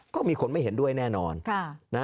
ก็มีคนไม่เห็นด้วยแน่นอน